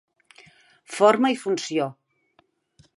Forma i funció.